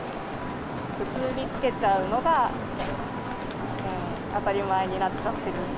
普通に着けちゃうのが、当たり前になっちゃってる。